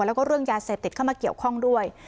แล้วก็เรื่องยาเสพติดเข้ามาเกี่ยวข้องด้วย